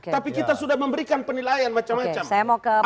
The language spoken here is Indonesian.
tapi kita sudah memberikan penilaian macam macam